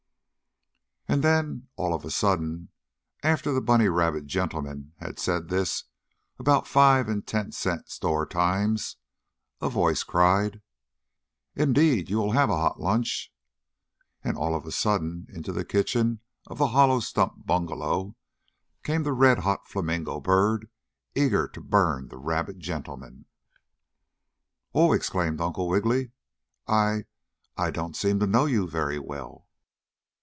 And then, all of a sudden, after the bunny rabbit gentleman had said this about five and ten cent store times a voice cried: "Indeed you will have a hot lunch!" and all of a sudden into the kitchen of the hollow stump bungalow came the red hot flamingo bird, eager to burn the rabbit gentleman. "Oh!" exclaimed Uncle Wiggily. "I I don't seem to know you very well."